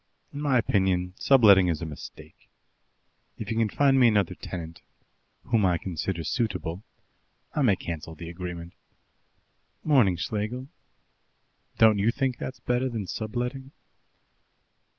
In my opinion, subletting is a mistake. If he can find me another tenant, whom I consider suitable, I may cancel the agreement. Morning, Schlegel. Don't you think that's better than subletting?"